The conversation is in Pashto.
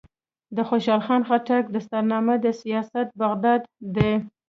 د خوشحال خان خټک دستارنامه د سیاست بغدادي ده.